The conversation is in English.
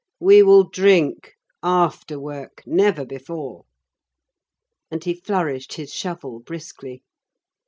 We will drink. After work, never before." And he flourished his shovel briskly.